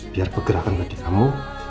biar pergerakan badan kamu